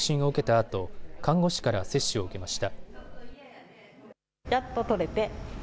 あと看護師から接種を受けました。